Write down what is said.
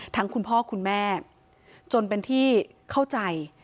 คุณพ่อคุณแม่จนเป็นที่เข้าใจ